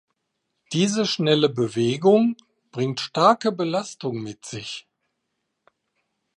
Diese schnelle Bewegung bringt starke Belastung mit sich.